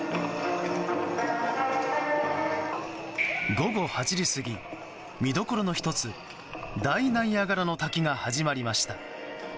午後８時過ぎ、見どころの１つ大ナイアガラの滝が始まりました。